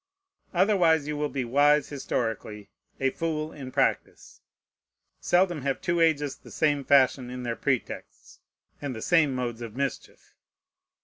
Otherwise you will be wise historically, a fool in practice. Seldom have two ages the same fashion in their pretexts, and the same modes of mischief.